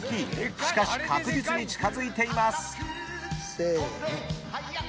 ［しかし確実に近づいています］せーの。